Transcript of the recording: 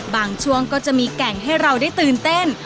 ช่วงก็จะมีแก่งให้เราได้ตื่นเต้น